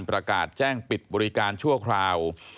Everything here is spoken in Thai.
ประกาศแจ้งปิดบริการชั่วคราว